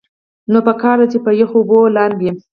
نو پکار ده چې پۀ يخو اوبو لامبي -